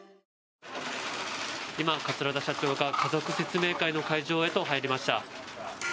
今、桂田社長が家族説明会の会場へと入りました。